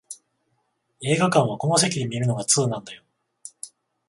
映画館はこの席で観るのが通なんだよ